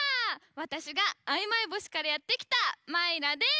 わたしがあいまい星からやってきたマイラです！